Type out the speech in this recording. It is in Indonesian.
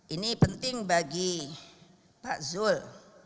ini penting bagi pak zul